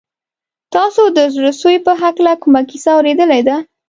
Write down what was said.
تاسو د زړه سوي په هکله کومه کیسه اورېدلې ده؟